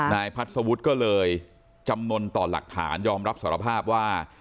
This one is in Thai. นายพัฒวุฒิก็เลยจำนวนต่อหลักฐานยอมรับสารภาพว่า